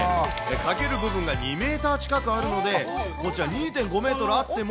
かける部分が２メートル近くあるので、こちら、２．５メートルあっても。